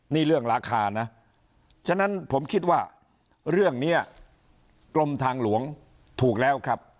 นี่เรื่องราคานะฉะนั้นผมคิดว่าเรื่องนี้กรมทางหลวงถูกแล้วครับ